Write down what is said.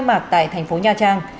khai mạc tại thành phố nha trang